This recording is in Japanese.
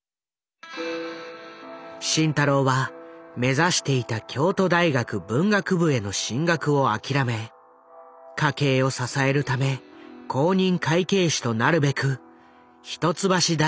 慎太郎は目指していた京都大学文学部への進学を諦め家計を支えるため公認会計士となるべく一橋大学に入学した。